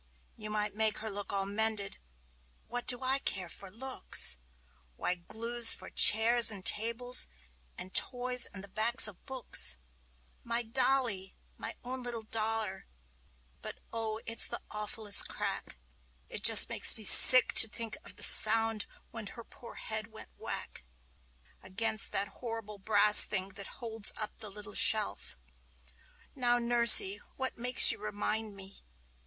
You might make her look all mended but what do I care for looks? Why, glue's for chairs and tables, and toys and the backs of books! My dolly! my own little daughter! Oh, but it's the awfullest crack! It just makes me sick to think of the sound when her poor head went whack Against that horrible brass thing that holds up the little shelf. Now, Nursey, what makes you remind me?